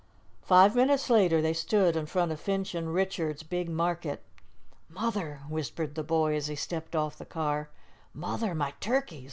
Five minutes later they stood in front of Finch & Richards' big market. "Mother," whispered the boy, as he stepped off the car, "Mother, my turkeys!